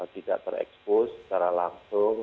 tidak terekspos secara langsung